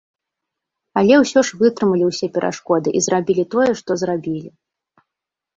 Але ўсё ж вытрымалі ўсе перашкоды і зрабілі тое, што зрабілі!